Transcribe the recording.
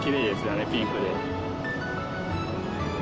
ピンクで。